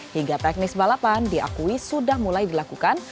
hingga teknis balapan diakui sudah mulai dilakukan